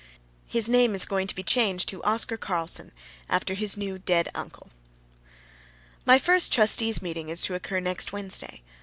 His name is going to be changed to Oscar Carlson, after his new dead uncle. My first trustees' meeting is to occur next Wednesday.